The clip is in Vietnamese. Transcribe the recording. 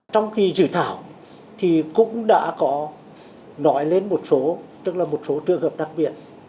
trong khi dự thảo thì cũng đã có nói lên một số tức là một số trường hợp đặc biệt